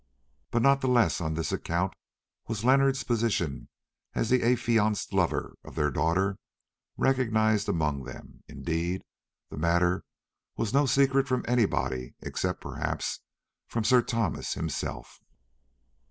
But not the less on this account was Leonard's position as the affianced lover of their daughter recognised among them; indeed, the matter was no secret from anybody, except perhaps from Sir Thomas himself.